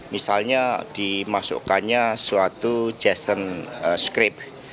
misalnya dimasukkannya suatu jason script